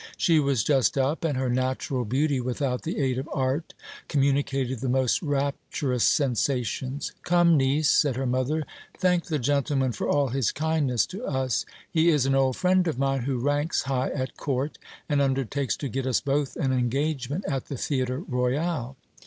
She was just up ; and her natural beauty, without the aid of art, com municated the most rapturous sensations. Come, niece, said her mother, thank LAURA A YD LUCRE TIA COME TO MADRID. 425 the gentleman for all his kindness to lis : he is an old friend of mine, who ranks high at court, and undertakes to get us both an engagement at the theatre royal.